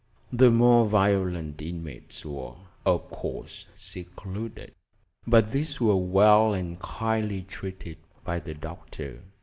The more violent inmates were, of course, secluded; but these were well and kindly treated by the doctor.